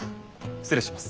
失礼します。